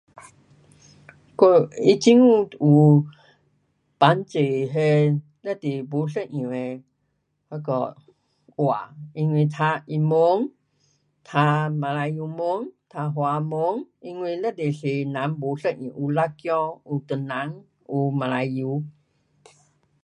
我，它政府有帮助那非常不一样的那个话，因为读英文，读马来文，读华文，因为非常多人不相同，有辣子，有华人有马来油